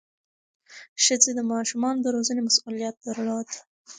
ښځې د ماشومانو د روزنې مسؤلیت درلود.